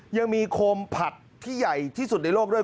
ยังมีโคมผัดที่ใหญ่ที่สุดในโลกด้วย